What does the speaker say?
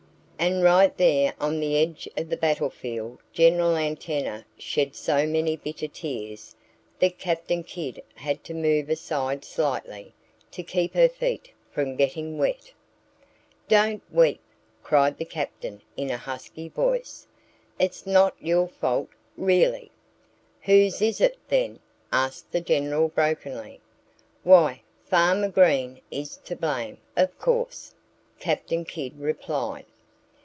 And right there on the edge of the battle field General Antenna shed so many bitter tears that Captain Kidd had to move aside slightly, to keep her feet from getting wet. "Don't weep!" cried the Captain in a husky voice. "It's not your fault really!" "Whose is it, then?" asked the General brokenly. "Why, Farmer Green is to blame, of course!" Captain Kidd replied.